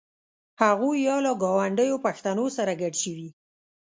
هغوی یا له ګاونډیو پښتنو سره ګډ شوي.